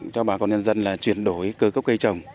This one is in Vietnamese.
cho bà con nhân dân là chuyển đổi cơ cấu cây trồng